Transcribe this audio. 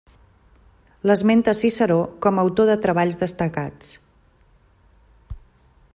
L'esmenta Ciceró com a autor de treballs destacats.